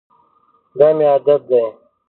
دا مي عادت دی .